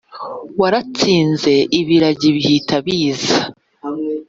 waratsinze ibiragi bihita biza